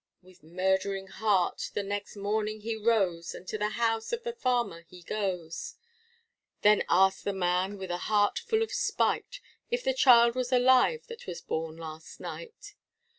With murdering heart the next morning he rose, And to the house of the farmer he goes: Then asked the man with a heart full of spite, If the child was alive that was born last night.